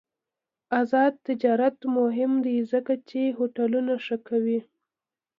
آزاد تجارت مهم دی ځکه چې هوټلونه ښه کوي.